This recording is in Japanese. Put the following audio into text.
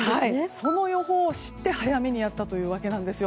その予報を知って早めにやったというわけです。